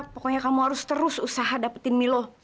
pokoknya kamu harus terus usaha dapetin milo